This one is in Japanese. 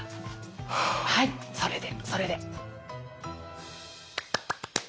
はいそれでそれで。